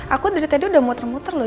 aku dari tadi udah muter muter loh